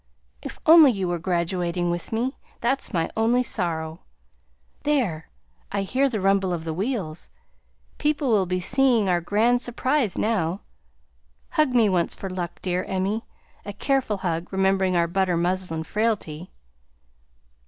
If only you were graduating with me; that's my only sorrow! There! I hear the rumble of the wheels! People will be seeing our grand surprise now! Hug me once for luck, dear Emmie; a careful hug, remembering our butter muslin frailty!"